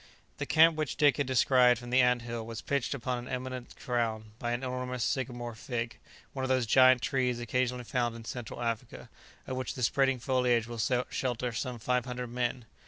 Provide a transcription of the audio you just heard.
The camp which Dick had descried from the ant hill was pitched upon an eminence crowned by an enormous sycamore fig, one of those giant trees occasionally found in Central Africa, of which the spreading foliage will shelter some five hundred men.